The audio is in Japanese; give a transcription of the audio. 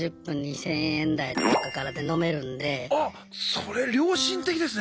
それ良心的ですね！